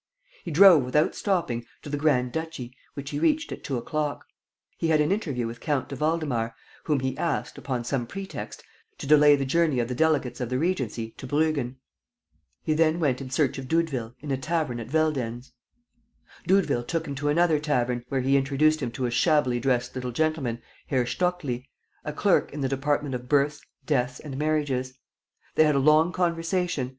He drove, without stopping, to the grand duchy, which he reached at two o'clock. He had an interview with Count de Waldemar, whom he asked, upon some pretext, to delay the journey of the delegates of the Regency to Bruggen. Then he went in search of Doudeville, in a tavern at Veldenz. Doudeville took him to another tavern, where he introduced him to a shabbily dressed little gentleman, Herr Stockli, a clerk in the department of births, deaths and marriages. They had a long conversation.